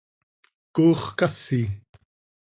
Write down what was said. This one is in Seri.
¡Coox casi!